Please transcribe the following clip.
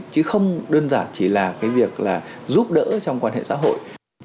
chứ không đơn giản chỉ là việc giúp đỡ trong quan hệ xã hội